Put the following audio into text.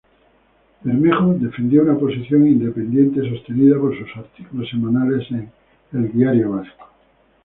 Bermejo defendió una posición independiente sostenida por sus artículos semanales en "El Diario Vasco".